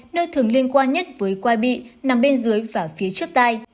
nơi thường liên quan nhất với qua bị nằm bên dưới và phía trước tai